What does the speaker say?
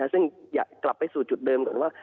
ซึ่งอยากกลับไปสู่จุดเดิมก่อนว่า